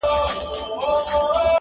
عطر دي د ښار پر ونو خپور کړمه-